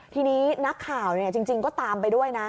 ทีนี้นักข่าวจริงก็ตามไปด้วยนะ